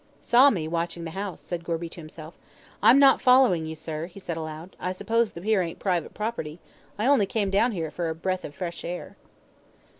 "Saw me, watching the house," said Gorby to himself. "I'm not following you, sir," he said aloud. "I suppose the pier ain't private property. I only came down here for a breath of fresh air."